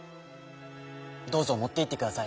どうぞもっていってください」。